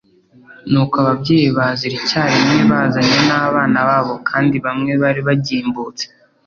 Nuko ababyeyi bazira icyarimwe bazanye n'abana babo kandi bamwe bari bagimbutse.